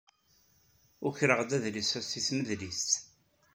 Ukreɣ-d adlis-a seg tmedlist.